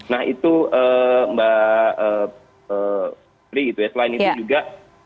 nah itu mbak pri selain itu juga